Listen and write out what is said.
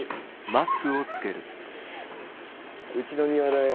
うちの庭だよ。